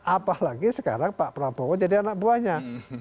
apalagi sekarang pak prabowo jadi anak buahnya